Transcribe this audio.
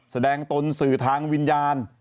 แสดงตนสื่อทางวิญญาณ